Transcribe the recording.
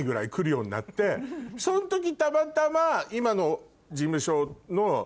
その時たまたま。